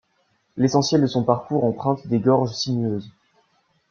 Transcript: L'essentiel de son parcours emprunte des gorges sinueuses.